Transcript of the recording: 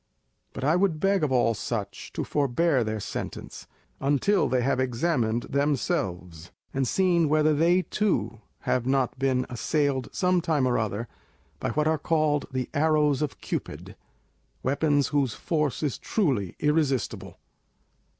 But I would beg of all such to forbear their sentence, until they have examined themselves and seen whether they too have not been assailed some time or other by what are called the arrows of Cupid, weapons whose force is truly irresistible.